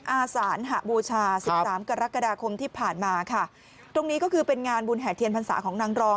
อาสานหบูชาสิบสามกรกฎาคมที่ผ่านมาค่ะตรงนี้ก็คือเป็นงานบุญแห่เทียนพรรษาของนางรอง